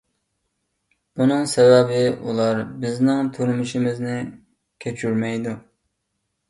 بۇنىڭ سەۋەبى، ئۇلار بىزنىڭ تۇرمۇشىمىزنى كەچۈرمەيدۇ.